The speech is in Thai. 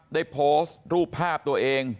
ได้โพสต์รูปภาพตัวเอง